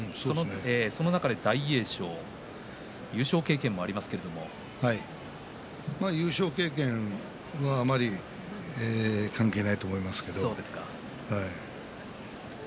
その中で大栄翔は優勝経験はあまり関係ないと思います。